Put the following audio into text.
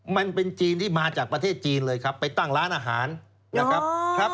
มันเป็นจีนที่มาจากประเทศจีนเลยครับไปตั้งร้านอาหารนะครับ